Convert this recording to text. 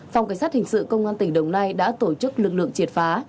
phòng cảnh sát hình sự công an tỉnh đồng nai đã tổ chức lực lượng triệt phá